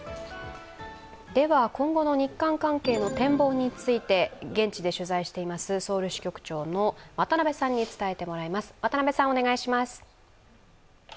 今後の日韓関係の展望について、現地で取材しているソウル支局長の渡辺さんに伝えてもらいます。